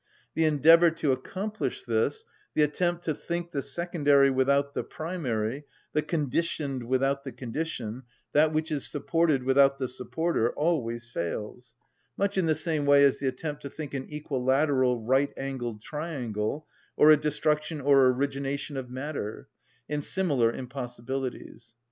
The endeavour to accomplish this, the attempt to think the secondary without the primary, the conditioned without the condition, that which is supported without the supporter, always fails, much in the same way as the attempt to think an equilateral, right‐angled triangle, or a destruction or origination of matter, and similar impossibilities.